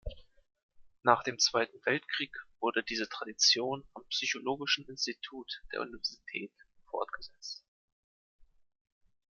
Nach dem Zweiten Weltkrieg wurde diese Tradition am Psychologischen Institut der Universität fortgesetzt.